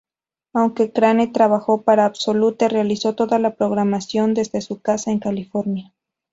Aunque Crane trabajo para Absolute, realizó toda la programación desde su casa en California.